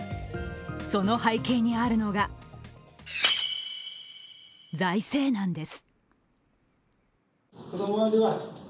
その背景にあるのが財政難です。